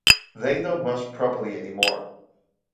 They don't mosh properly anymore.